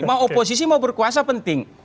mau oposisi mau berkuasa penting